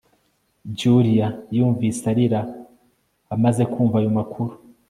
Julia yumvise arira amaze kumva ayo makuru